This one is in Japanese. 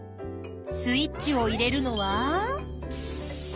スイッチを入れるのは。